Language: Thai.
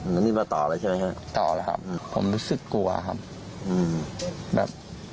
แล้วนี่มาต่อแล้วใช่ไหมครับต่อแล้วครับผมรู้สึกกลัวครับอืมแบบ